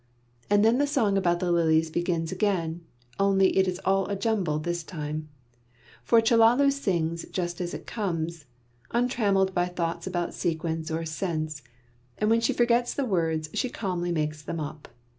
And then the song about the lilies begins again, only it is all a jumble this time; for Chellalu sings just as it comes, untrammelled by thoughts about sequence or sense, and when she forgets the words she calmly makes them up.